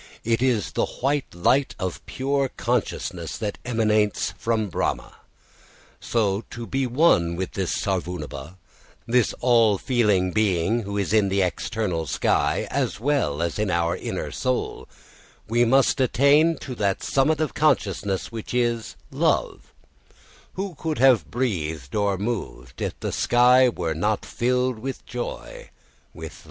It is the white light of pure consciousness that emanates from Brahma. So, to be one with this sarvānubhūh, this all feeling being who is in the external sky, as well as in our inner soul, we must attain to that summit of consciousness, which is love: _Who could have breathed or moved if the sky were not filled with joy, with love?